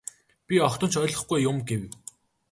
Би огтхон ч ойлгохгүй юм гэв.